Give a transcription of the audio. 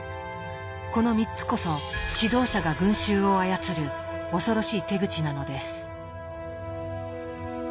この３つこそ指導者が群衆を操る恐ろしい手口なのです。